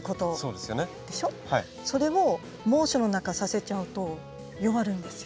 それを猛暑の中させちゃうと弱るんですよ。